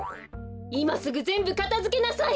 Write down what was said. いますぐぜんぶかたづけなさい！